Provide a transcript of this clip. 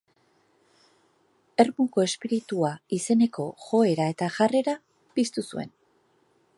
Ermuko espiritua izeneko joera eta jarrera piztu zuen.